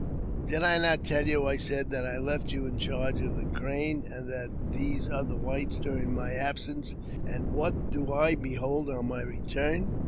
"" Did I not tell you," I said, " that I left you in charge a the Crane and these other whites during my absence ? An< what do I behold on my return